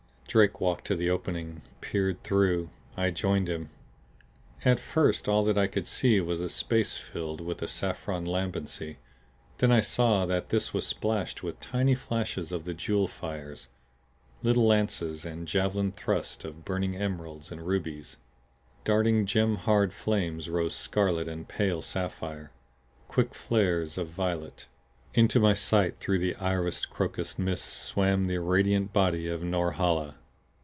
Drake walked to the opening, peered through. I joined him. At first all that I could see was a space filled with the saffron lambency. Then I saw that this was splashed with tiny flashes of the jewel fires; little lances and javelin thrusts of burning emeralds and rubies; darting gem hard flames rose scarlet and pale sapphire; quick flares of violet. Into my sight through the irised, crocus mist swam the radiant body of Norhala!